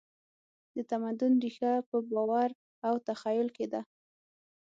د تمدن ریښه په باور او تخیل کې ده.